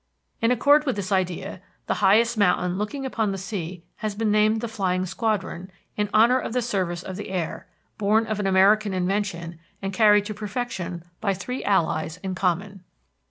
In accord with this idea, the highest mountain looking upon the sea has been named the Flying Squadron, in honor of the service of the air, born of an American invention, and carried to perfection by the three allies in common.